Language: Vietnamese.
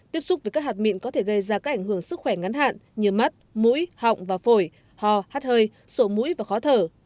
tiếp xúc với các hạt mịn có thể gây ra các ảnh hưởng sức khỏe ngắn hạn như mắt mũi họng và phổi hò hát hơi sổ mũi và khó thở